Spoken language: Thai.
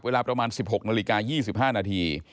เวลาประมาณ๑๖นาฬิกา๒๕นาที